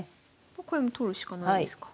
これも取るしかないですか。